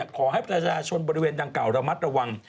ขอให้ประชาชนบริเวณดังกล่าระมัดระวัง